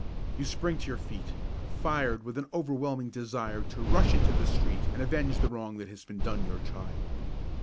You spring to your feet, fired with an overwhelming desire to rush into the street and avenge the wrong that has been done your child.